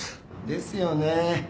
・ですよね。